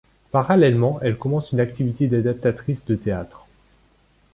Parallèlement elle commence une activité d'adaptatrice de théâtre.